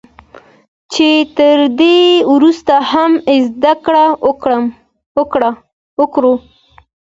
چې تر دې ورسته هم زده کړه وکړو